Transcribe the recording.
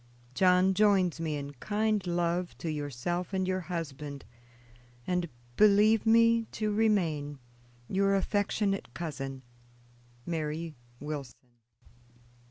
John joins me in kind love to yourself and your husband, and believe me to remain, "Your Affectionate Cousin, "MARY WILSON."